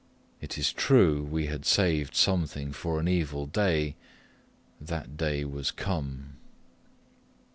It is true we had saved something for an evil day that day was come.